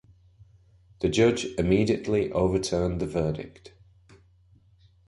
The judge immediately overturned the verdict.